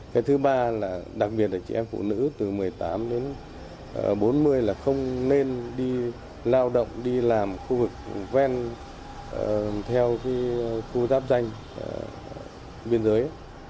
cái thứ ba là đặc biệt là chị em phụ nữ từ một mươi tám đến bốn mươi là không nên đi lao động đi làm khu vực ven theo khu giáp danh biên giới